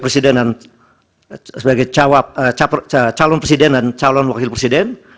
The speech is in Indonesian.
presidenan sebagai calon presiden dan calon wakil presiden